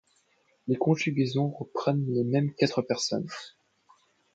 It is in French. Les conjugaisons reprennent les mêmes quatre personnes.